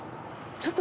ちょっと。